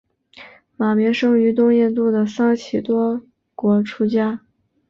马鸣生于东印度的桑岐多国出家。